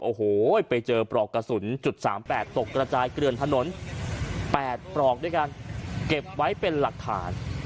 โอ้โหไปเจอปลอกกระสุนจุด๓๘ตกกระจายเกลือนถนน๘ปลอกด้วยกันเก็บไว้เป็นหลักฐาน